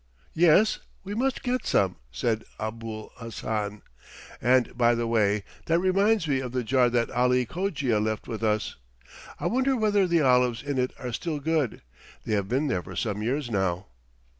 "Yes, we must get some," said Abul Hassan. "And by the way, that reminds me of the jar that Ali Cogia left with us. I wonder whether the olives in it are still good. They have been there for some years now."